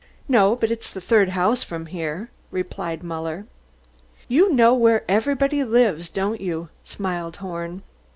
"No, but it's the third house from here," replied Muller. "You know where everybody lives, don't you?" smiled Horn.